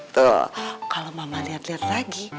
tuh kalau mama liat liat lagi